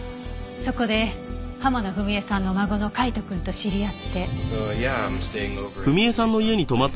そこで浜野文恵さんの孫の海斗くんと知り合って。